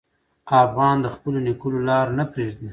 افغان د خپلو نیکونو لار نه پرېږدي.